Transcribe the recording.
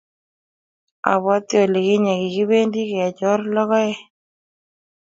Abwati olikinye kikipendi kechor lokoek